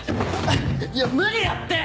いや無理だって！